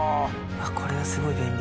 これはすごい便利。